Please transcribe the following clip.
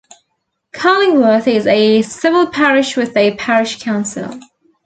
Cullingworth is a civil parish with a parish council.